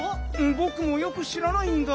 ぼくもよくしらないんだ。